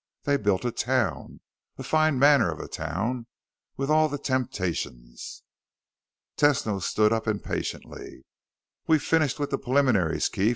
They built a town! A fine manner of town with all the temptations...." Tesno stood up impatiently. "We've finished with the preliminaries, Keef.